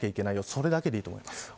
それだけでいいと思います。